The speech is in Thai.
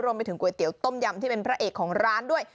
ก๋วยเตี๋ยวต้มยำที่เป็นพระเอกของร้านด้วย